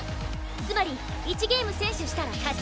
つまり１ゲーム先取したら勝ち。